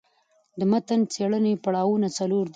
د متن څېړني پړاوونه څلور دي.